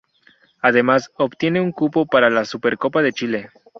Además, obtiene un cupo para la Supercopa de Chile.